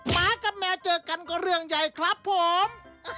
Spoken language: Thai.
หมากับแมวเจอกันก็เรื่องใหญ่ครับผม